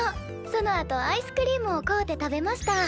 そのあとアイスクリームを買うて食べました。